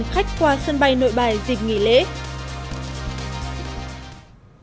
khoảng chín mươi khách qua sân bay nội bài giặt lở nơi đang thi công bờ kè sông ô môn cần thơ